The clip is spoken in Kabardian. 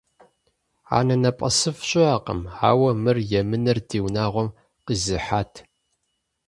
АнэнэпӀэсыфӀ щыӀэкъым, ауэ мыр емынэр ди унагъуэм къизыхьат.